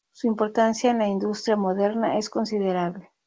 Su importancia en la industria moderna es considerable.